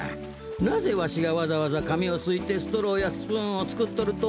なぜわしがわざわざかみをすいてストローやスプーンをつくっとるとおもう？